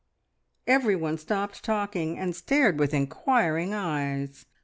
Everyone stopped talking and stared with inquiring eyes.